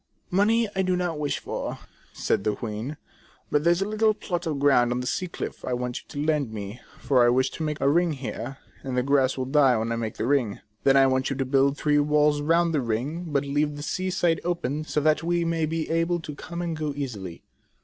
"Money I do not wish for," said the queen, "but there 's a little plot of ground on the sea cliff I want you to lend me, for I wish to make a ring there, and the grass will die when I make the ring. Then I want you to build three walls round the ring, but leave the sea side open, so that we may be able to come and go easily."